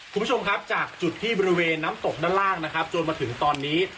คุณผู้ชมครับจากจุดที่บริเวณน้ำตกด้านล่างนะครับจนมาถึงตอนนี้